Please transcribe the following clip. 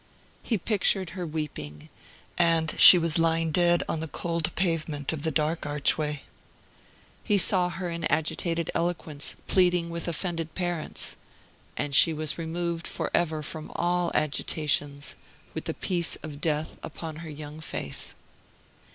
He pictured her weeping and she was lying dead on the cold pavement of the dark archway. He saw her in agitated eloquence pleading with offended parents and she was removed for ever from all agitations, with the peace of death upon her young face.